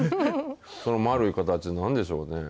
その丸い形のなんでしょうね。